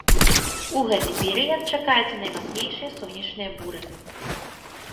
У гэты перыяд чакаюцца наймацнейшыя сонечныя буры.